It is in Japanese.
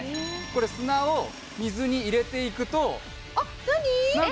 これ砂を水に入れていくとあっ何！？